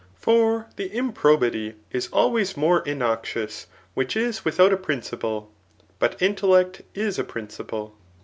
For the iin{»t> bity is always more innoxious which is wiAout a princi ple ; but inteUect is a principle.